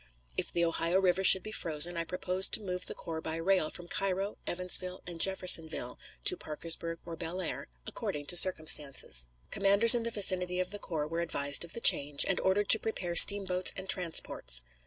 If the Ohio River should be frozen, I proposed to move the corps by rail from Cairo, Evansville, and Jeffersonville to Parkersburg or Bellaire, according to circumstances. Commanders in the vicinity of the corps were advised of the change, and ordered to prepare steamboats and transports.